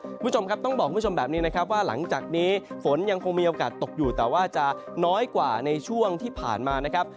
คุณผู้ชมครับต้องบอกคุณผู้ชมแบบนี้นะครับว่าหลังจากนี้ฝนยังคงมีโอกาสตกอยู่แต่ว่าจะน้อยกว่าในช่วงที่ผ่านมานะครับ